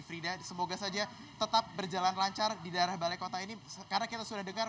frida semoga saja tetap berjalan lancar di daerah balai kota ini karena kita sudah dengar